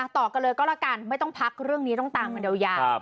ต่อกันเลยก็แล้วกันไม่ต้องพักเรื่องนี้ต้องตามกันยาว